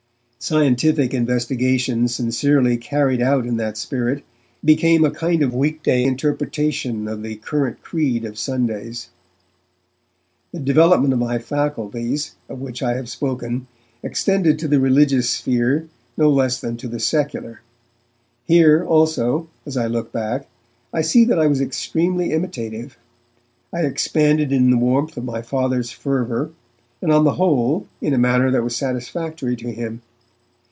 Scientific investigation sincerely carried out in that spirit became a kind of weekday interpretation of the current creed of Sundays. The development of my faculties, of which I have spoken, extended to the religious sphere no less than to the secular, Here, also, as I look back, I see that I was extremely imitative. I expanded in the warmth of my Father's fervour, and, on the whole, in a manner that was satisfactory to him.